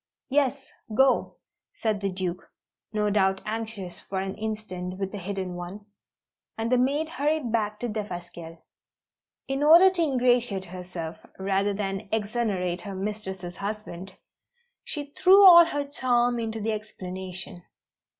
"Yes, go," said the Duke, no doubt anxious for an instant with the hidden one; and the maid hurried back to Defasquelle. In order to ingratiate herself, rather than exonerate her mistress's husband, she threw all her charm into the explanation.